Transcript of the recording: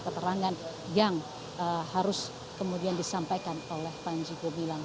keterangan yang harus kemudian disampaikan oleh panji gumilang